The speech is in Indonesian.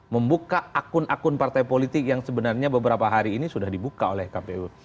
membuka akun akun partai politik yang sebenarnya beberapa hari ini sudah dibuka oleh kpu